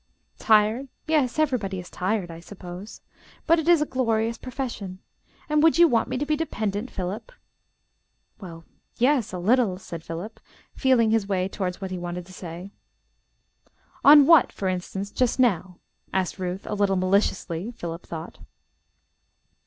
"Tired? Yes, everybody is tired I suppose. But it is a glorious profession. And would you want me to be dependent, Philip?" "Well, yes, a little," said Philip, feeling his way towards what he wanted to say. "On what, for instance, just now?" asked Ruth, a little maliciously Philip thought.